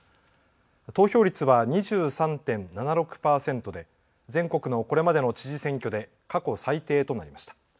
投票率は２３．７６％で、全国のこれまでの知事選挙で過去最低となりました。